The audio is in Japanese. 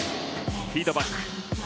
フィードバック。